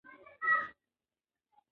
کورني سوداګر باید مرسته وکړي.